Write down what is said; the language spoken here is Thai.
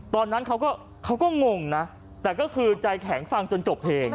ตอนนั้นเขาก็งงนะแต่ก็คือใจแข็งฟังจนจบเพลง